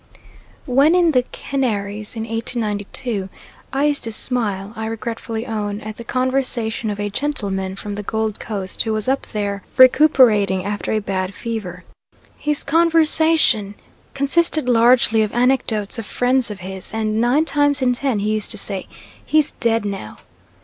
When in the Canaries in 1892, I used to smile, I regretfully own, at the conversation of a gentleman from the Gold Coast who was up there recruiting after a bad fever. His conversation consisted largely of anecdotes of friends of his, and nine times in ten he used to say, "He's dead now."